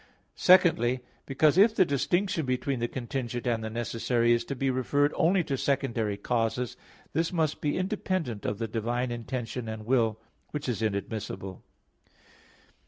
Secondly, because if the distinction between the contingent and the necessary is to be referred only to secondary causes, this must be independent of the divine intention and will; which is inadmissible.